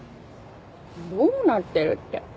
どうなってるって。